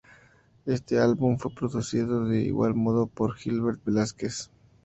Este álbum fue producido de igual modo por Gilbert Velásquez.